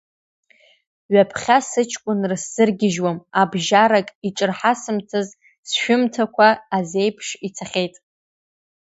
Ҩаԥхьа сыҷкәынра сзыргьежьуам, абжьарак, иҿырҳасымҭаз сшәымҭақәа аӡеиԥш ицахьеит.